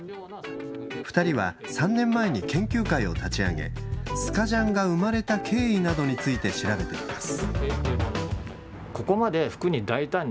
２人は３年前に研究会を立ち上げスカジャンが生まれた経緯などについて調べています。